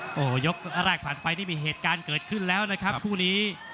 โอ้โหยกแรกผ่านไปนี่มีเหตุการณ์เกิดขึ้นแล้วนะครับคู่นี้